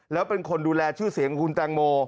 แล้วเป็นคนดูแลชื่อเสียงของคุณแตงโม